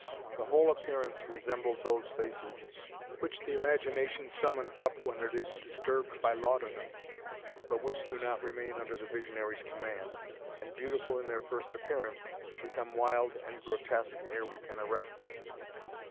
The whole appearance resembled those faces which the imagination summons up when it is disturbed by laudanum, but which do not remain under the visionary's command, and, beautiful in their first appearance, become wild and grotesque ere we can arrest them.